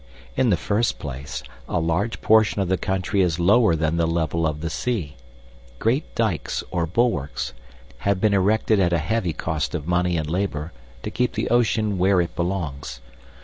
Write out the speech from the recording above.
In the first place, a large portion of the country is lower than the level of the sea. Great dikes, or bulwarks, have been erected at a heavy cost of money and labor to keep the ocean where it belongs.